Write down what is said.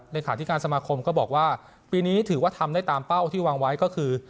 เลขาธิการสมาคมก็บอกว่าปีนี้ถือว่าทำได้ตามเป้าที่วางไว้ก็คือ